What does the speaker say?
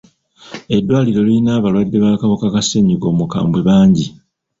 Eddwaliro lirina abalwadde b'akawuka ka ssennyiga omukambwe bangi.